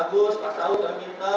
agus pak saud dan kita